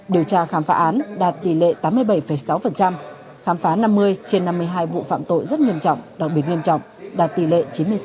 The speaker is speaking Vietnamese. điều tra khám phá án đạt tỷ lệ tám mươi bảy sáu khám phá năm mươi trên năm mươi hai vụ phạm tội rất nghiêm trọng đặc biệt nghiêm trọng đạt tỷ lệ chín mươi sáu